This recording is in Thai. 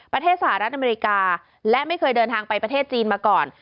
สหรัฐอเมริกาและไม่เคยเดินทางไปประเทศจีนมาก่อน